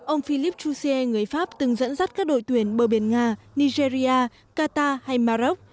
ông philippe jouzier người pháp từng dẫn dắt các đội tuyển bờ biển nga nigeria qatar hay maroc